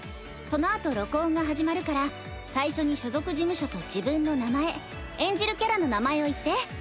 そのあと録音が始まるから最初に所属事務所と自分の名前演じるキャラの名前を言って。